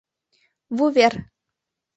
ВУВЕР